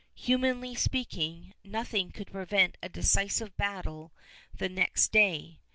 Humanly speaking, nothing could prevent a decisive battle the next day.